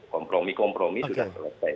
kompromi kompromi sudah selesai